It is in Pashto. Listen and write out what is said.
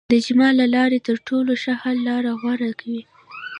د اجماع له لارې تر ټولو ښه حل لاره غوره کوي.